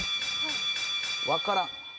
わからん。